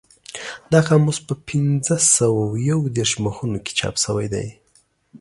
دا قاموس په پینځه سوه یو دېرش مخونو کې چاپ شوی دی.